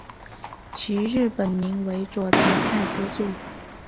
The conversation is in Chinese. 其日本名为佐藤爱之助。